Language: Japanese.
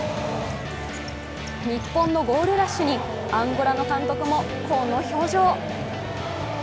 日本のゴールラッシュにアンゴラの監督もこの表情。